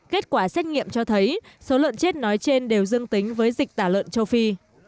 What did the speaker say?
kết quả xét nghiệm cho thấy số lợn chết nói trên đều dương tính với dịch tả lợn châu phi